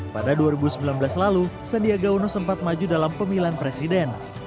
pada dua ribu sembilan belas lalu sandiaga uno sempat maju dalam pemilihan presiden